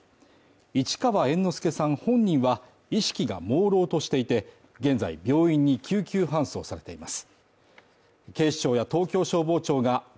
市川猿之助さん本人は意識がもうろうとしていて、現在病院に救急搬送されています。